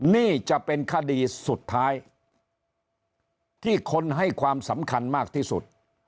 นี่จะเป็นคดีสุดท้ายที่คนให้ความสำคัญมากที่สุด